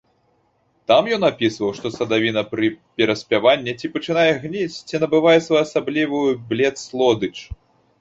Там ён апісваў, што садавіна пры пераспяванні ці пачынае гніць, ці набывае своеасаблівую блет-слодыч.